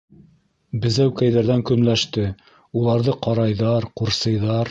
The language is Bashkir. Безәүкәйҙәрҙән көнләште: уларҙы ҡарайҙар, ҡурсыйҙар.